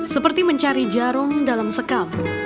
seperti mencari jarum dalam sekam